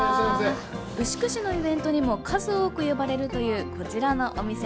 牛久市のイベントにも数多く呼ばれるという、こちらのお店。